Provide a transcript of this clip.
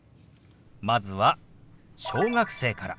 まずは小学生から。